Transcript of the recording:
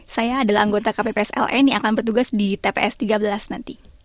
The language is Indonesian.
saya adalah anggota kpps ln yang akan bertugas di tps tiga belas nanti